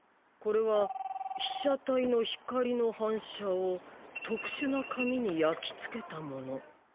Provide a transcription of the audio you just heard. これは被写体の光の反射を特殊な紙に焼き付けたもの。